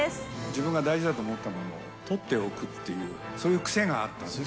自分が大事だと思ったものを取っておくっていう、そういう癖があったんです。